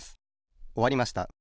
おわりました。